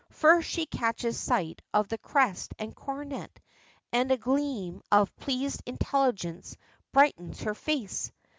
First she catches sight of the crest and coronet, and a gleam of pleased intelligence brightens her face.